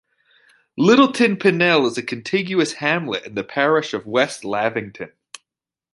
Littleton Panell is a contiguous hamlet in the parish of West Lavington.